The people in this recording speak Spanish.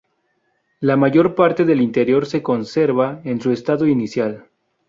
La mayor parte del interior se conserva en su estado inicial.